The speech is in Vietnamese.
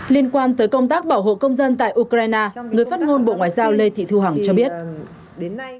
liên quan tới công tác bảo hộ công dân tại ukraine người phát ngôn bộ ngoại giao lê thị thu hằng cho biết